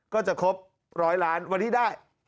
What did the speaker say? ก็จะครบ๑๐๐ล้านวันนี้ได้